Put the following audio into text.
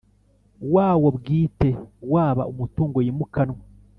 Wawo bwite waba umutungo wimukanwa